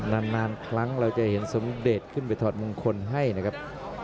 นานครั้งเราจะเห็นสมเด็จขึ้นไปถอดมงคลให้นะครับ